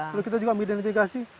terus kita juga ambil identifikasi